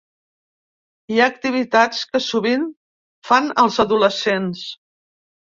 Hi ha activitats que sovint fan els adolescents.